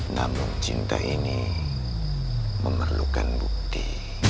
namun cinta ini memerlukan bukti